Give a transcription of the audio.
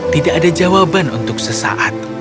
tidak ada jawaban untuk sesaat